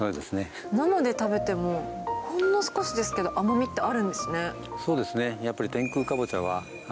生で食べてもほんの少しですけど甘味ってあるんですね。